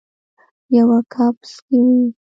یوه کپس کې یو